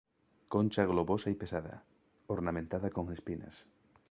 Concha globosa y pesada, ornamentada con espinas.